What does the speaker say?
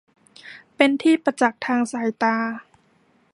เป็นที่ประจักษ์ทางสายตา